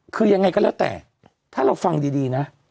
คือยังไงก็แล้วแต่ถ้าเราฟังดีนะ